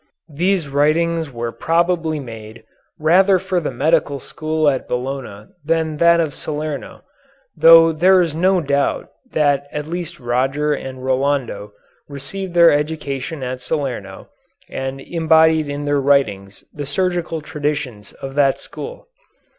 These writings were probably made rather for the medical school at Bologna than that of Salerno, though there is no doubt that at least Roger and Rolando received their education at Salerno and embodied in their writings the surgical traditions of that school.